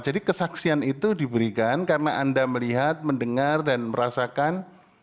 jadi kesaksian itu diberikan karena anda melihat mendengar dan merasakan